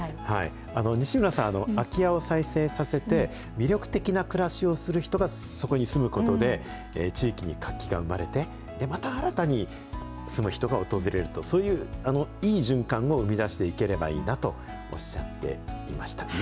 西村さん、空き家を再生させて、魅力的な暮らしをする人がそこに住むことで、地域に活気が生まれて、また新たに住む人が訪れると、そういういい循環を生み出していければいいなとおっしゃっていました。